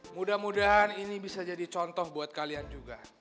mudah mudahan ini bisa jadi contoh buat kalian juga